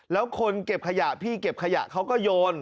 แล้วคนเก็บขยะพี่เก็บขยะเขาก็โยน